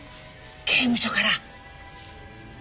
刑務所から。